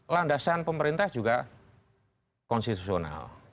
landasan pemerintah juga konstitusional